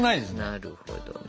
なるほどね。